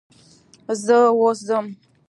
زه اوس ځم.